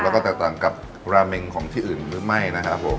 แล้วก็แตกต่างกับราเมงของที่อื่นหรือไม่นะครับผม